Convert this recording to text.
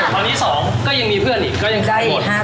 ตอนนี้๒ก็ยังมีเพื่อนอีกก็ยังได้หมด